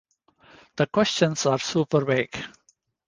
The questions are super vague.